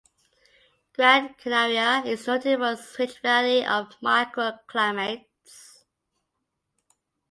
Gran Canaria is noted for its rich variety of microclimates.